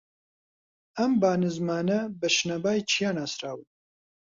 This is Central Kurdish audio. ئەم با نزمانە بە شنەبای چیا ناسراون